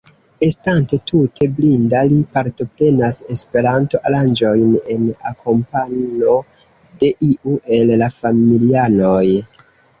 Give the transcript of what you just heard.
Estante tute blinda, li partoprenas Esperanto-aranĝojn en akompano de iu el la familianoj.